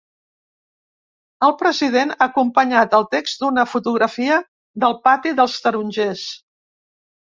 El president ha acompanyat el text d’una fotografia del pati dels tarongers.